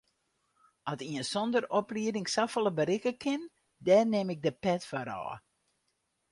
At ien sonder oplieding safolle berikke kin, dêr nim ik de pet foar ôf.